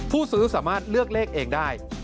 ผู้ซื้อสามารถเลือกเลขเองได้